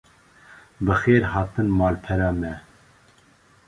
Bi xêr hatin malpera me